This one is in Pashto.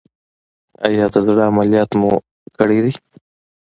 ایا د زړه عملیات مو کړی دی؟